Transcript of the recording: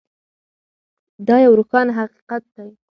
دا یو روښانه حقیقت دی.